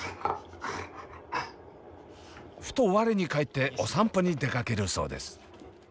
ふと我に返ってお散歩に出かけるそうです。